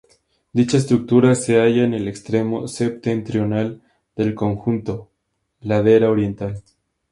Dicha estructura se halla en el extremo septentrional del conjunto, ladera oriental.